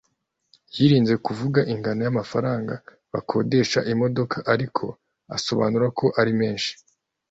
yirinze kuvuga ingano y’amafaranga bakodesha imodoka ariko asobanura ko ari menshi